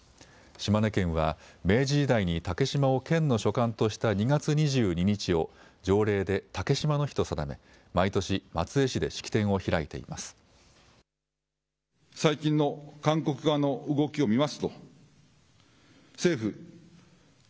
島根県は明治時代に竹島を県の所管とした２月２２日を条例で竹島の日と定め、毎年、松江市で式典を開いています。